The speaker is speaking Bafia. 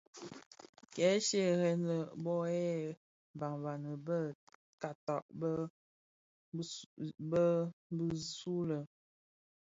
Kè shyeren lè bō yè banbani bë kaata bë zi bisulè.